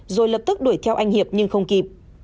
rồi lập tức đuổi theo anh hiệp nhưng không kịp